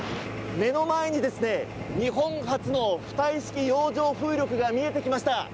目の前に日本初の浮体式洋上風力が見えてきました。